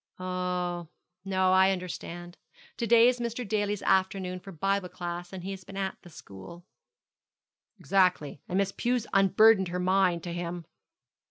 Oh, no, I understand. Tuesday is Mr. Daly's afternoon for Bible class, and he has been at the school.' 'Exactly; and Miss Pew unburdened her mind to him.'